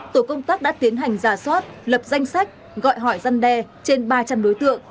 tổ công tác đã tiến hành giả soát lập danh sách gọi hỏi dân đe trên ba trăm linh đối tượng